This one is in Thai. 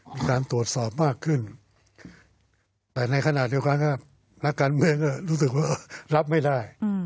มีการตรวจสอบมากขึ้นแต่ในขณะเดียวกันก็นักการเมืองก็รู้สึกว่ารับไม่ได้